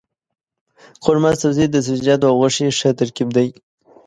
قورمه سبزي د سبزيجاتو او غوښې ښه ترکیب دی.